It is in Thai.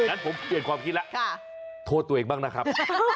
งั้นผมเปลี่ยนความคิดแล้วโทษตัวเองบ้างนะครับ